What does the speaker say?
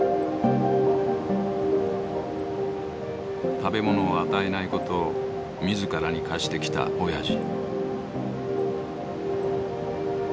食べ物を与えないことをみずからに課してきたおやじ。